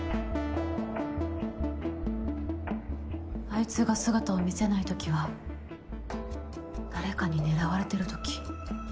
あいつが姿を見せない時は誰かに狙われてる時。